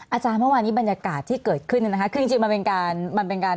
อาจารย์เมื่อวานนี้บรรยากาศที่เกิดขึ้นนะครับคือจริงมันเป็นการ